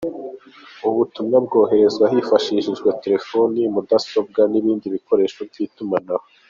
Ubu butumwa bwoherezwa hifashishijwe telefoni, mudasobwa, n’ibindi bikoresho by’itumanaho.